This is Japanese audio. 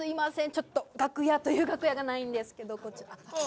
ちょっと楽屋という楽屋がないんですけどこっちあ